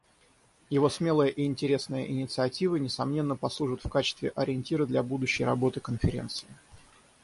Его смелая и интересная инициатива, несомненно, послужит в качестве ориентира для будущей работы Конференции.